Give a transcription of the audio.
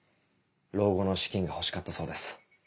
老後の資金が欲しかったそうです。